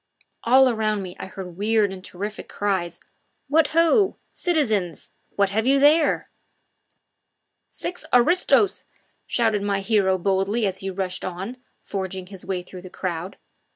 All around me I heard weird and terrific cries: "What ho! citizens what have you there?" "Six aristos!" shouted my hero boldly as he rushed on, forging his way through the crowd.